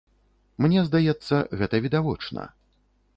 Мне здаецца, гэта відавочна.